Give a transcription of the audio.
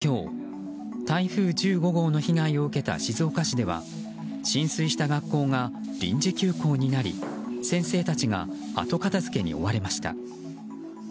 ３連休明けの今日台風１５号の被害を受けた静岡市では、浸水した学校が臨時休校になり先生たちが後片付けに追われました。